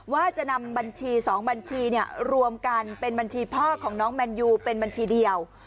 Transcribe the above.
ว่าจะนำบัญชี๒บัญชีรวมกันเป็นบัญชีพ่อของน้องแมนยูเป็นบัญชีเดียว